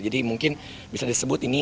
jadi mungkin bisa disebut ini